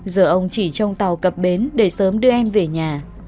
giờ ông chỉ trong tàu cập bến để sớm đưa em về nhà